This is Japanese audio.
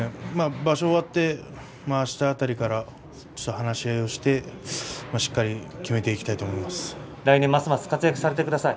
場所が終わってあす辺りから話し合いをしてしっかり決めていきたいと来年ますます活躍してください。